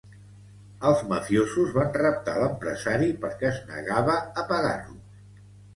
Els mafiosos van raptar l'empresari perquè es negava a pagar-los.